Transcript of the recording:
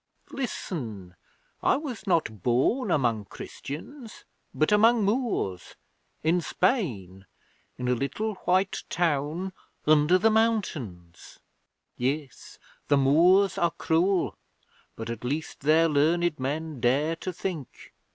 Listen! I was not born among Christians, but among Moors in Spain in a little white town under the mountains. Yes, the Moors are cruel, but at least their learned men dare to think.